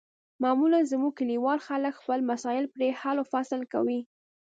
معمولا زموږ کلیوال خلک خپل مسایل پرې حل و فصل کوي.